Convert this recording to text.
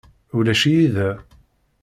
Ulac-iyi da.